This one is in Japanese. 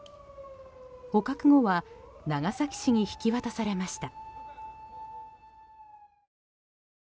捕獲後は長崎市に引き渡されました。